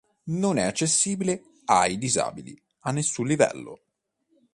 Non è accessibile ai disabili a nessun livello.